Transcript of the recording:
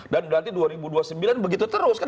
dan berarti dua ribu dua puluh sembilan begitu terus kan